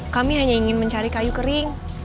kami hanya ingin mencari kayu kering